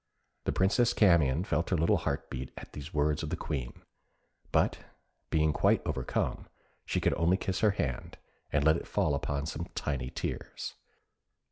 The Princess Camion felt her little heart beat at these words of the Queen: but being quite overcome, she could only kiss her hand, and let fall upon it some tiny tears.